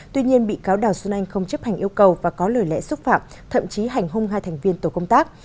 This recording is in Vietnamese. tuy nhiên bị cáo đào xuân anh không chấp hành yêu cầu và có lời lẽ xúc phạm thậm chí hành hung hai thành viên tổ công tác